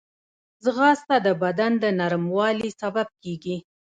ځغاسته د بدن د نرموالي سبب کېږي